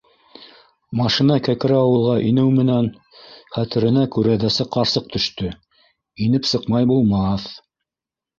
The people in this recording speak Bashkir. Машина Кәкере ауылға инеү менән хәтеренә күрәҙәсе ҡарсыҡ төштө: инеп сыҡмай булмаҫ.